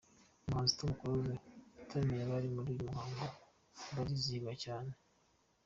Umuhanzi Tom Close yataramiye abari muri uyu muhango, barizihirwa cyane.